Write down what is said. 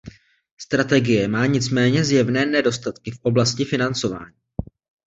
Strategie má nicméně zjevné nedostatky v oblasti financování.